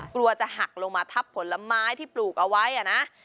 กลัวจะหักลงมาทับผลไม้ที่ปลูกเอาไว้นะ